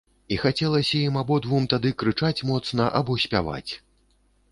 І захацелася ім абодвум тады крычаць моцна або спяваць.